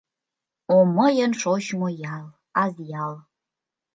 О, мыйын шочмо ял, Азъял!